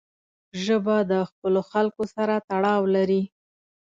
ژبه د خپلو خلکو سره تړاو لري